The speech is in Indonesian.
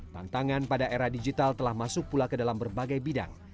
tantangan pada era digital telah masuk pula ke dalam berbagai bidang